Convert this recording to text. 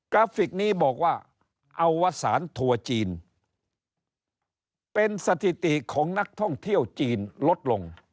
ราฟิกนี้บอกว่าอวสารทัวร์จีนเป็นสถิติของนักท่องเที่ยวจีนลดลง